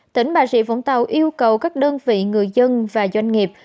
tỉnh bà rịa vũng tàu yêu cầu các đơn vị người dân và doanh nghiệp